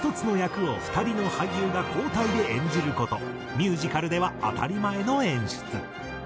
ミュージカルでは当たり前の演出。